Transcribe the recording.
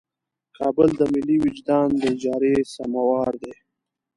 کابل د ملي وجدان د اجارې سموار دی.